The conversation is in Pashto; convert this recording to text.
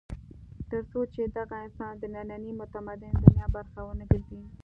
تر څو چې دغه انسان د نننۍ متمدنې دنیا برخه ونه ګرځي.